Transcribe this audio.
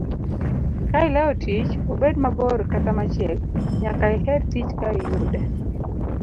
Kaileo tich, obed mabor kata machiek, nyaka iher tich ka iyude.